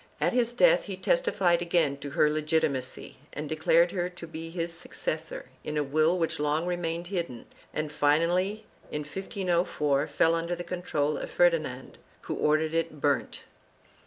At his death he testified again to her legitimacy and declared her to be his successor in a will which long remained hidden and finally in 1504 fell under the control of Ferdinand, who ordered it burnt.